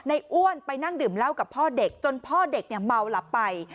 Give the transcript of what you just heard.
อ้วนไปนั่งดื่มเหล้ากับพ่อเด็กจนพ่อเด็กเนี่ยเมาหลับไป